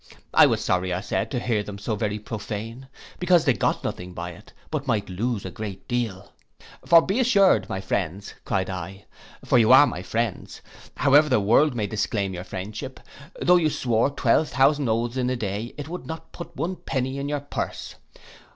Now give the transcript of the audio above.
I was sorry, I said, to hear them so very prophane; because they got nothing by it, but might lose a great deal: 'For be assured, my friends,' cried I, 'for you are my friends, however the world may disclaim your friendship, though you swore twelve thousand oaths in a day, it would not put one penny in your purse.